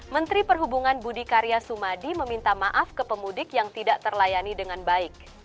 menteri perhubungan budi karya sumadi meminta maaf ke pemudik yang tidak terlayani dengan baik